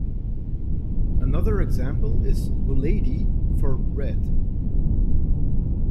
Another example is "buledi" for "bread".